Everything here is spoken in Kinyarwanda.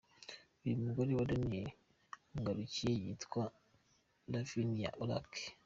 Uyu mugore wa Daniel Ngarukiye yitwa Lavinia Orac.